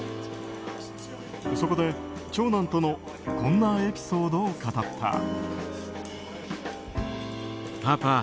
そこで長男とのこんなエピソードを語った。